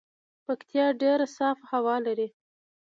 پکتيا ډیره صافه هوا لري